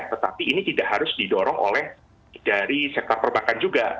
tetapi ini tidak harus didorong oleh dari sektor perbankan juga